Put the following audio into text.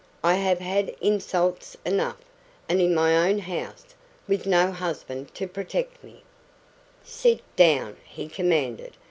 I have had insults enough and in my own house with no husband to protect me " "Sit down," he commanded.